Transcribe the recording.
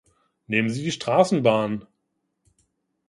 Nehmen Sie die Straßenbahn.